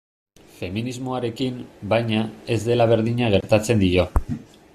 Feminismoarekin, baina, ez dela berdina gertatzen dio.